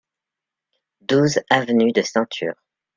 douze avenue de Ceinture